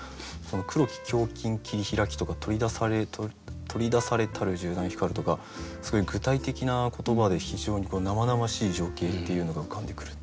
「黒き胸筋切りひらき」とか「取り出されたる銃弾光る」とかすごい具体的な言葉で非常に生々しい情景っていうのが浮かんでくる。